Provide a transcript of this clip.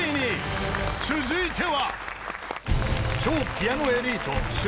［続いては］